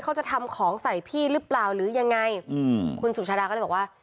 เขาจะทำของใส่พี่หรือเปล่าหรือยังไงอืมคุณสุชาดาก็เลยบอกว่า